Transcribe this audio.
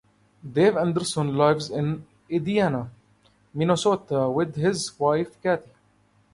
Dave Anderson lives in Edina, Minnesota with his wife Kathy.